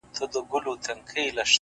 همکاري پیاوړې کول اړین دي